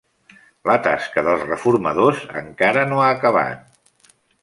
La tasca dels reformadors encara no ha acabat.